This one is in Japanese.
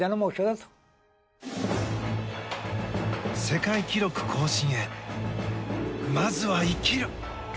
世界記録更新へまずは、生きる！